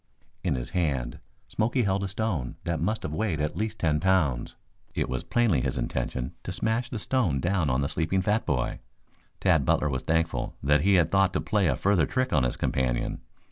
In his hand Smoky held a stone that must have weighed at least ten pounds. It was plainly his intention to smash the stone down on the sleeping fat boy. Tad Butler was thankful that he had thought to play a further trick on his companion.